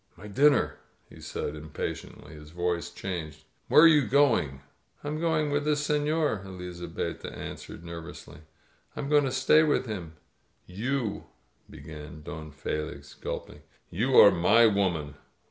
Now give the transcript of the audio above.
"My dinner!" he said impatiently. His voice changed. "Where are you going?" "I'm going with this senor," Elizabetta answered nervously. "I'm going to stay with him " "You ^" began Don Felix, gulping. "You are my woman.